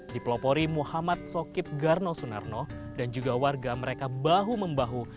di pelopori muhammad sokip garno sunarno dan juga warga mereka bahu membahu